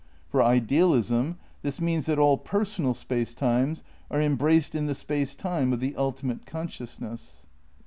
For idealism this means that all personal space times are embraced in the Space Time of the ultimate con sciousness.